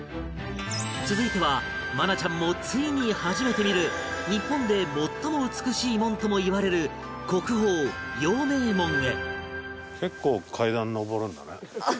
続いては愛菜ちゃんもついに初めて見る日本で最も美しい門ともいわれる国宝陽明門へ